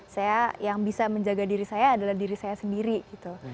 saya yang bisa menjaga diri saya adalah diri saya sendiri gitu